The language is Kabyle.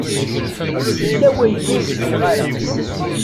Yella wayen ur gziɣ ara.